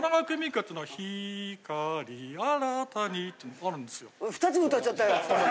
あるんですよ。